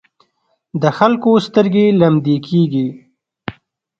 د خلکو سترګې لمدې کېږي.